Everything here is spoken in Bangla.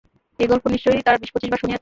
এ গল্প নিশ্চয় তারা বিশ পঁচিশ বার শুনিয়াছে।